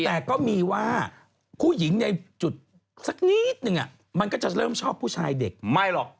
แต่ก็มีว่าผู้หญิงในจุดสักนิดนึงมันก็จะเริ่มชอบผู้ชายเด็กไม่หรอก